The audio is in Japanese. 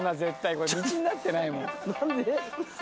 これ道になってないもん。